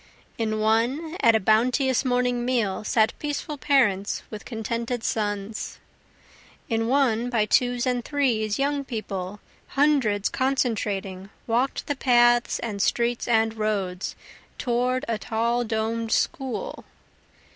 In one, at a bounteous morning meal, Sat peaceful parents with contented sons. In one, by twos and threes, young people, Hundreds concentring, walk'd the paths and streets and roads, Toward a tall domed school.